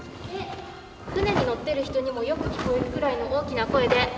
船に乗っている人にもよく聞こえるくらいの大きな声で。